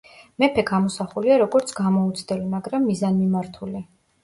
მეფე გამოსახულია როგორც გამოუცდელი, მაგრამ მიზანმიმართული.